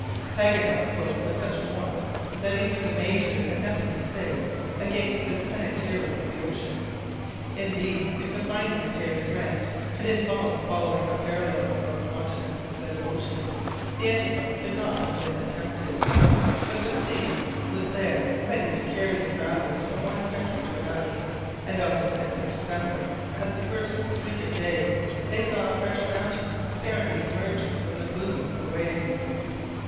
Paganel spoke with such warmth that even the Major had nothing to say against this panegyric of the ocean. Indeed, if the finding of Harry Grant had involved following a parallel across continents instead of oceans, the enterprise could not have been attempted; but the sea was there ready to carry the travelers from one country to another, and on the 6th of December, at the first streak of day, they saw a fresh mountain apparently emerging from the bosom of the waves.